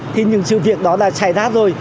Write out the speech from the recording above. thì những sự việc đó đã xảy ra rồi